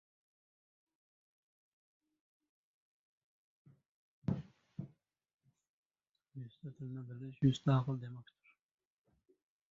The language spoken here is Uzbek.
• Yuzta tilni bilish yuzta aql demakdir.